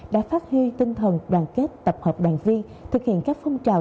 đã phát huy tinh thần đoàn kết tập hợp đoàn viên thực hiện các phong trào